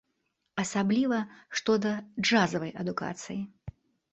Асабліва, што да джазавай адукацыі.